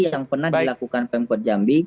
yang pernah dilakukan pemkot jambi